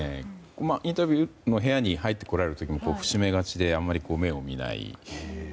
インタビューの部屋に入ってこられる時も伏し目がちであまり目を見ない。